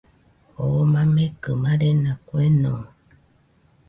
Oo mamekɨ marena kueno